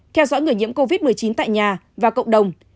theo dõi người nhiễm covid một mươi chín tại nhà và cộng đồng